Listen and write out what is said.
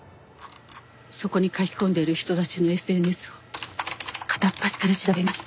そこに書き込んでいる人たちのＳＮＳを片っ端から調べました。